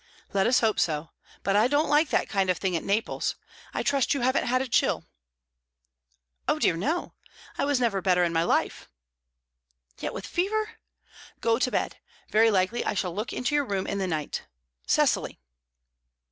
"Let us hope so. But I don't like that kind of thing at Naples. I trust you haven't had a chill?" "Oh dear, no! I never was better in my life!" "Yet with fever? Go to bed. Very likely I shall look into your room in the night. Cecily!"